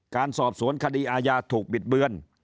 การสอบสวนคดีอาญาถูกบิดเบือน